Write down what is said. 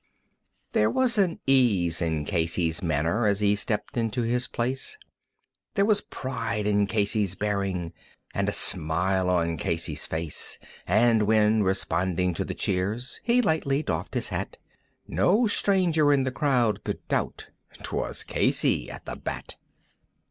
There was ease in Casey's manner as he stepped into his place, There was pride in Casey's bearing, and a smile on Casey's face; And when, responding to the cheers, he lightly doffed his hat, No stranger in the crowd could doubt 'twas Casey at the bat.